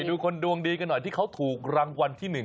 ดูคนดวงดีกันหน่อยที่เขาถูกรางวัลที่๑